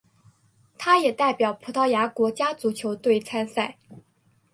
他也代表葡萄牙国家足球队参赛。